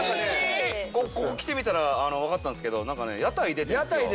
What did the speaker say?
ここ来てみたらわかったんですけどなんかね屋台出てるんですよ。